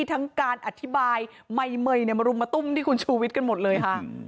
ทั้งการอธิบายใหม่เมยมารุมมาตุ้มที่คุณชูวิทย์กันหมดเลยค่ะ